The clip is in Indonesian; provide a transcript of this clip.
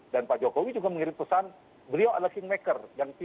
dan pak jokowi juga mengirim pesan beliau adalah kingmaker